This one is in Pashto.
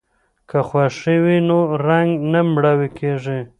که خوښي وي نو رنګ نه مړاوی کیږي.